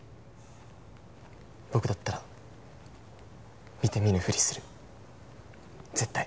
僕だったら見て見ぬふりする絶対。